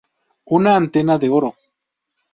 Una Antena de Oro.